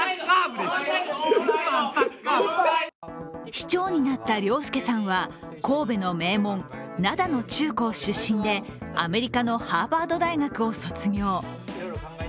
市長になった崚輔さんは神戸の名門・灘の中高出身でアメリカのハーバード大学を卒業。